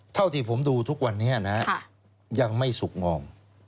เท่าที่ผมดูทุกวันนี้นะยังไม่สุขงอม